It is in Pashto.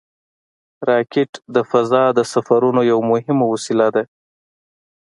راکټ د فضا د سفرونو یوه مهمه وسیله ده